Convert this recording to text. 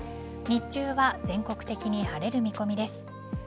日中は全国的に晴れる見込みです。